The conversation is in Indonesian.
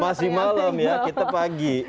masih malam ya kita pagi